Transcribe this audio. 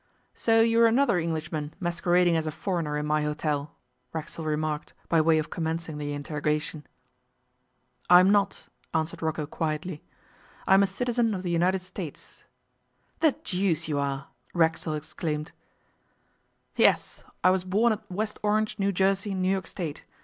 'So you're another Englishman masquerading as a foreigner in my hotel,' Racksole remarked, by way of commencing the interrogation. 'I'm not,' answered Rocco quietly. 'I'm a citizen of the United States.' 'The deuce you are!' Racksole exclaimed. 'Yes, I was born at West Orange, New Jersey, New York State.